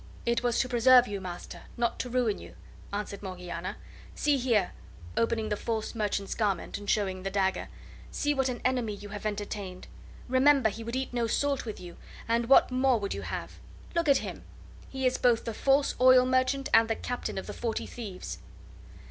"It was to preserve you, master, not to ruin you," answered Morgiana. "See here," opening the false merchant's garment and showing the dagger; "see what an enemy you have entertained! Remember, he would eat no salt with you, and what more would you have? Look at him! he is both the false oil merchant and the Captain of the Forty Thieves."